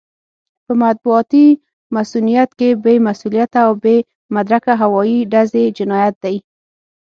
په مطبوعاتي مصؤنيت کې بې مسووليته او بې مدرکه هوايي ډزې جنايت دی.